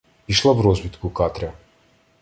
Пішла в розвідку Катря.